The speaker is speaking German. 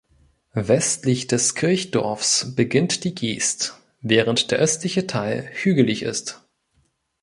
Westlich des Kirchdorfs beginnt die Geest, während der östliche Teil hügelig ist.